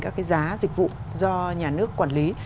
các cái giá dịch vụ do nhà nước quản lý